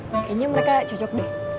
kayanya mereka cocok deh